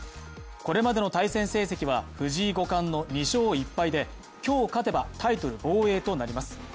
これまでの対戦成績は藤井五冠の２勝１敗で、今日勝てばタイトル防衛となります。